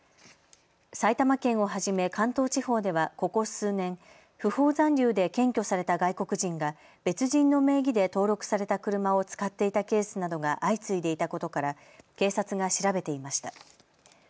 埼玉県をはじめ関東地方ではここ数年、不法残留で検挙された外国人が別人の名義で登録された車を使っていたケースなどが相次いでいたことから警察が調べていました。